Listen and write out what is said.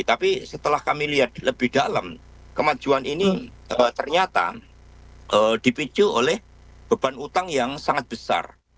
tapi setelah kami lihat lebih dalam kemajuan ini ternyata dipicu oleh beban utang yang sangat besar